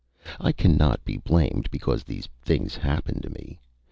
I cannot be blamed because these things happen to me.